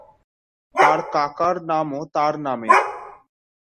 তার কাকার নামও তার নামের।